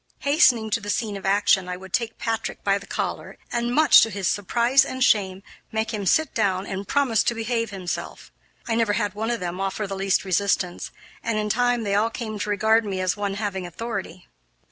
Hastening to the scene of action, I would take Patrick by the collar, and, much to his surprise and shame, make him sit down and promise to behave himself. I never had one of them offer the least resistance, and in time they all came to regard me as one having authority.